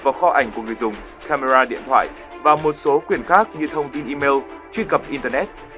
vào kho ảnh của người dùng camera điện thoại và một số quyền khác như thông tin email truy cập internet